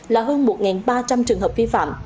là hơn một ba trăm linh trường hợp vi phạm